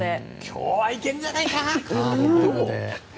今日はいけるんじゃないか？